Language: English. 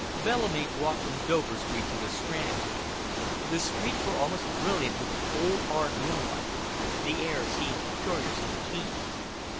Bellamy walked from Dover Street to the Strand. The streets were almost brilliant with the cold, hard moonlight. The air seemed curiously keen.